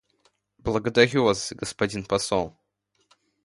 Благодарю Вас, господин посол.